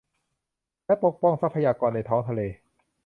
และปกป้องทรัพยากรในท้องทะเล